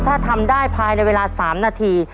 ถ้าทำได้ภายในเวลา๓นาที